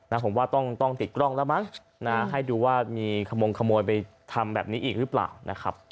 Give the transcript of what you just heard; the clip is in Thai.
ผมว่าต้องต้องติดกล้องแล้วมั้งนะให้ดูว่ามีขมงขโมยไปทำแบบนี้อีกหรือเปล่านะครับ